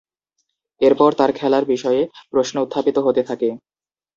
এরপর তার খেলার বিষয়ে প্রশ্ন উত্থাপিত হতে থাকে।